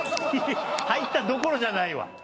入ったどころじゃないわ。